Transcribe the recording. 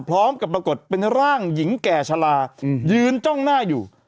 พร้อมกับปรากฏเป็นร่างหญิงแก่ฉลายืนจ้องหน้าอยู่